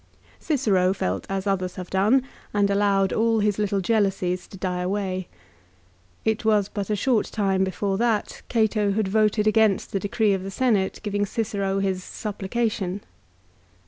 Cicero felt as others have done, and allowed all his little jealousies to die away. It was but a short time before that Cato had voted against the decree of the Senate giving Cicero his " supplication."